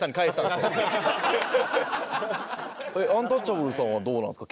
アンタッチャブルさんはどうなんですか？